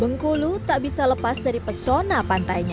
bengkulu tak bisa lepas dari pesona pantainya